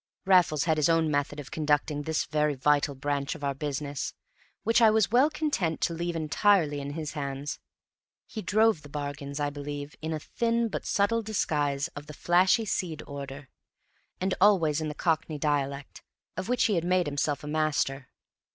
Raffles had his own method of conducting this very vital branch of our business, which I was well content to leave entirely in his hands. He drove the bargains, I believe, in a thin but subtle disguise of the flashy seedy order, and always in the Cockney dialect, of which he had made himself a master.